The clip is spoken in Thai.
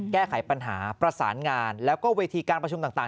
แก้ไขปัญหาประสานงานแล้วก็เวทีการประชุมต่าง